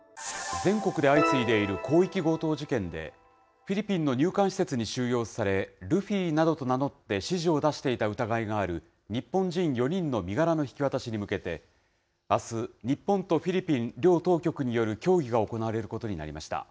全国で相次いでいる広域強盗事件で、フィリピンの入管施設に収容され、ルフィなどと名乗って指示を出していた疑いがある日本人４人の身柄の引き渡しに向けて、あす、日本とフィリピン両当局による協議が行われることになりました。